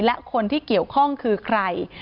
และคนที่เกี่ยวข้องคือใคร